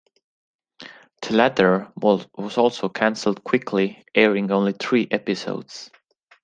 The latter was also cancelled quickly, airing only three episodes.